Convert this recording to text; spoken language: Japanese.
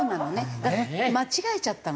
だから間違えちゃったの。